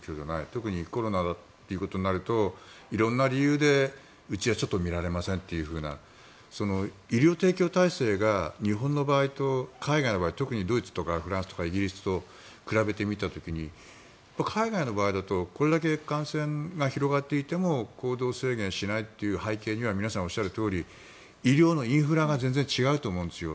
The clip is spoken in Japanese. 特にコロナっていうことになると色んな理由でうちはちょっと診られませんっていうような医療提供体制が日本の場合と海外の場合特にドイツとかフランスイギリスと比べてみた時に海外の場合だとこれだけ感染が広がっていても行動制限しないという背景には皆さんおっしゃるとおり医療のインフラが全然違うと思うんですよ。